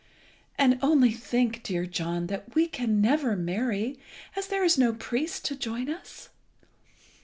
And only think, dear John, that we can never marry, as there is no priest to join us.